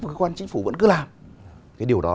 cơ quan chính phủ vẫn cứ làm cái điều đó